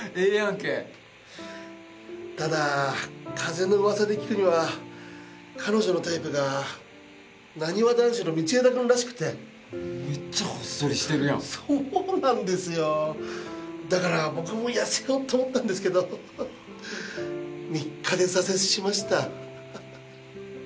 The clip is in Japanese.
けただ風のうわさで聞くには彼女のタイプがなにわ男子の道枝くんらしくてめっちゃほっそりしてるやんそうなんですよだから僕も痩せようと思ったんですけど３日で挫折しました